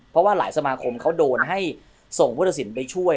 เพราะว่าหลายสมาคมเขาโดนให้ส่งผู้ตัดสินไปช่วย